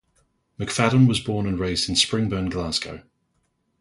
McFadden was born and raised in Springburn, Glasgow.